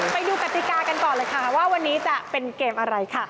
ไปดูกติกากันก่อนเลยค่ะว่าวันนี้จะเป็นเกมอะไรค่ะ